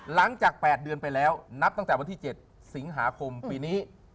หลังจาก๘เดือนไปแล้วนับตั้งแต่วันที่๗สิงหาคมปีนี้